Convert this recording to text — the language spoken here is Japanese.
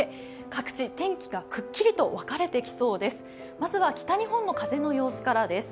各地、天気がくっきりと分かれてきそうです。